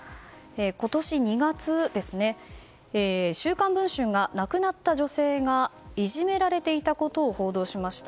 今年２月、「週刊文春」が亡くなった女性がいじめられていたことを報道しました。